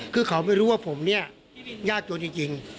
คือเขาไม่รู้ว่าผมเนี่ยยากจนจริง